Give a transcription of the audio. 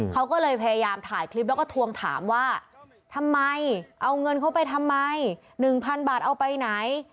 เขาก็เลยพยายามถ่ายคลิปแล้วก็ทวงถามว่าทำไมเอาเงินเขาไปทำไม๑๐๐๐บาทเอาไปไหน